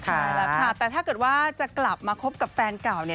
ใช่แล้วค่ะแต่ถ้าเกิดว่าจะกลับมาคบกับแฟนเก่าเนี่ย